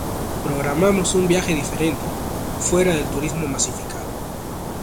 Programamos un viaje diferente, fuera del turismo masificado